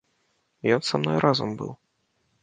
Ён са мной разам быў.